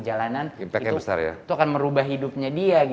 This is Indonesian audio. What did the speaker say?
itu akan merubah hidupnya dia